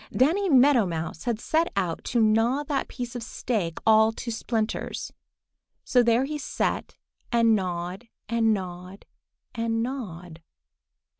Danny Meadow Mouse had set out to gnaw that piece of stake all to splinters. So there he sat and gnawed and gnawed and gnawed.